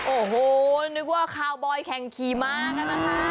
โอ้โหนึกว่าคาวบอยแข่งขี่มากันนะคะ